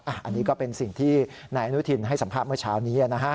อันนี้ก็เป็นสิ่งที่นายอนุทินให้สัมภาษณ์เมื่อเช้านี้นะฮะ